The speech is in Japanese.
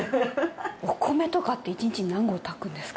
お米とかって１日に何合炊くんですか？